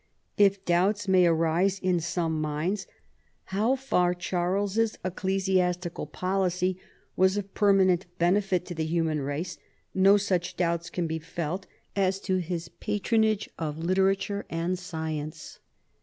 If doubts mav arise in some minds how far 312 CHARLEMAGNE. Charles's ecclesiastical policy was of permanent benefit to the human race, no such doubts can be felt as to his patronage of literature and science.